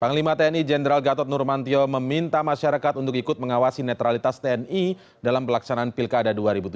panglima tni jenderal gatot nurmantio meminta masyarakat untuk ikut mengawasi netralitas tni dalam pelaksanaan pilkada dua ribu tujuh belas